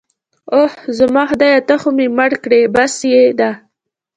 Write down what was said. اوه، زما خدایه ته خو مې مړ کړې. بس يې ده.